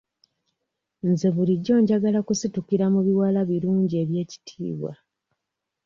Nze bulijjo njagala kusitukira mu biwala birungi eby'ekitiibwa.